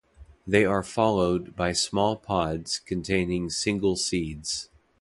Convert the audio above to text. They are followed by small pods containing single seeds.